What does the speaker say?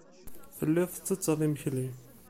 Telliḍ tettetteḍ imekli.